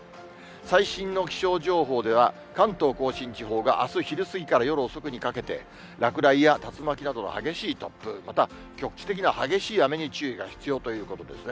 最新の気象情報では、関東甲信地方が、あす昼過ぎから夜遅くにかけて、落雷や竜巻などの激しい突風、また局地的な激しい雨に注意が必要ということですね。